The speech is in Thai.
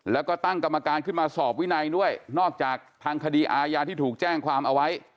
แล้วก็ตั้งกรรมการขึ้นมาสอบวินัยด้วยนอกจากทางคดีอาญาที่ถูกแจ้งความเอาไว้